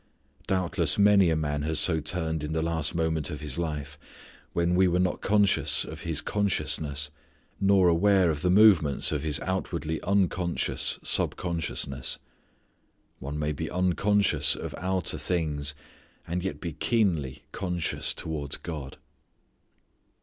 Doubtless many a man has so turned in the last moment of his life when we were not conscious of his consciousness, nor aware of the movements of his outwardly unconscious sub consciousness. One may be unconscious of outer things, and yet be keenly conscious towards God.